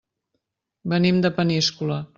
Venim de Peníscola.